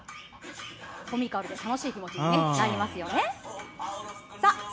コミカルで楽しい気持ちになりますよね。